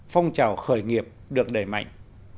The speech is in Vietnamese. phong trào khởi nghiệp được đẩy mạnh